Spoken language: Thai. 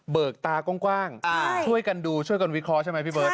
กตากว้างช่วยกันดูช่วยกันวิเคราะห์ใช่ไหมพี่เบิร์